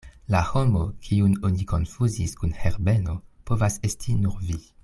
La homo, kiun oni konfuzis kun Herbeno povas esti nur vi.